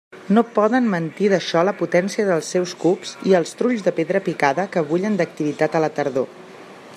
No poden mentir d'això la potència dels seus cups i els trulls de pedra picada que bullen d'activitat a la tardor.